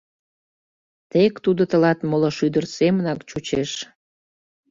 Тек тудо тылат моло шӱдыр семынак чучеш.